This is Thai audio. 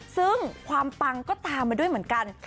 ซึ่งความปังก็ตามมาด้วยเหมือนกัน